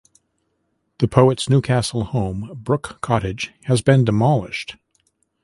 The poet's Newcastle home, Brook Cottage, has been demolished.